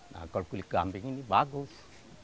nah kalau kulit kambing ini bagus